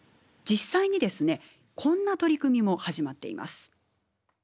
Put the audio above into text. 実際にですねこんな取り組みも始まっています。